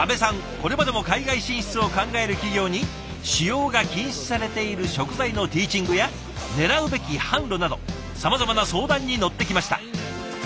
これまでも海外進出を考える企業に使用が禁止されている食材のティーチングやねらうべき販路などさまざまな相談に乗ってきました。